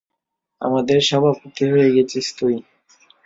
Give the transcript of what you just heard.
আমাদের সভাপতি হয়ে গেছিস তুই!